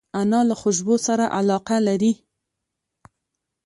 انا له خوشبو سره علاقه لري